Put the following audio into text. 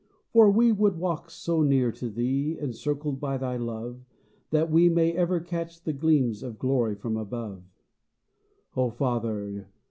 For we would walk so near to Thee, Encircled by Thy love, That we may ever catch the gleams Of glory from above. O Father